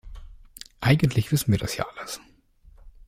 Eigentlich wissen wir das ja alles.